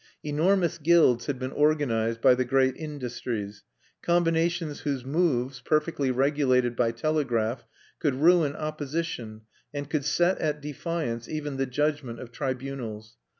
Enormous guilds had been organized by the great industries, combinations whose moves, perfectly regulated by telegraph, could ruin opposition, and could set at defiance even the judgment of tribunals.